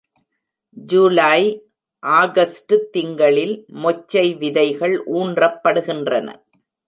ஜூலை ஆகஸ்டுத் திங்கள்களில் மொச்சை விதைகள் ஊன்றப்படுகின்றன.